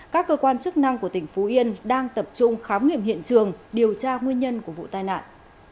các cơ quan chức năng của tỉnh phú yên đang tập trung khám nghiệm hiện trường điều tra nguyên nhân của vụ tai nạn